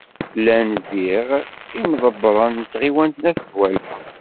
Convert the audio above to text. Llan diɣ imḍebbren n tɣiwant n At Ddwala.